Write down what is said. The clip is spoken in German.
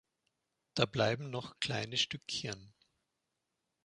Da bleiben noch kleine Stückchen.